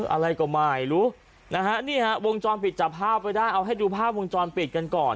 อะไรก็ไม่รู้นะฮะนี่ฮะวงจรปิดจับภาพไว้ได้เอาให้ดูภาพวงจรปิดกันก่อน